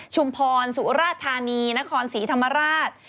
ชุมพรสุราธานีนครศรีธรรมราช